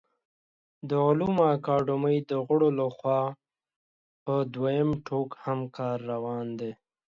د علومو اکاډمۍ د غړو له خوا په دویم ټوک هم کار روان دی